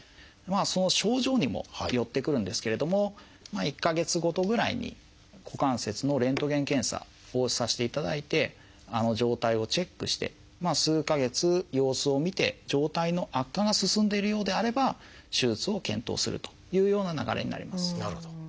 その症状にもよってくるんですけれども１か月ごとぐらいに股関節のレントゲン検査をさせていただいて状態をチェックして数か月様子を見て状態の悪化が進んでいるようであれば手術を検討するというような流れになります。